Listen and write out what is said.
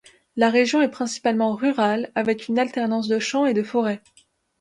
La région est principalement rurale avec une alternance de champs et de forêts.